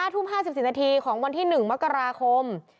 ทุ่ม๕๔นาทีของวันที่๑มกราคม